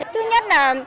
thứ nhất là